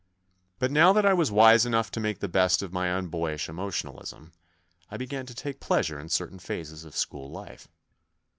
But now that I was wise enough to make the best of my unboyish emotionalism, I began to take pleasure in certain phases of school life.